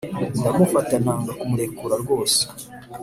ndamufata nanga kumurekura rwose